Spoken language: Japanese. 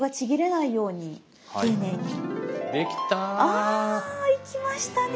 いきましたね。